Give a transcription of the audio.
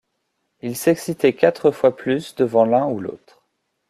Ils s'excitaient quatre fois plus devant l'un ou l'autre.